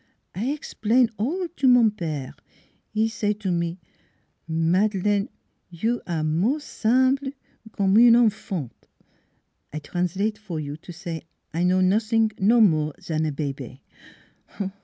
I explain all to mon pere. He say to me, ' Madeleine, you are more simple comme une enfant: I translate for you to say I know nossing no more an bebe.